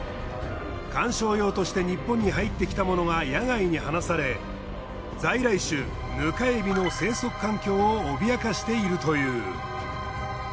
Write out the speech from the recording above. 観賞用として日本に入ってきたものが野外に放され在来種ヌカエビの生息環境を脅かしているという。